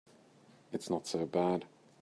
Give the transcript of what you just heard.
It's not so bad.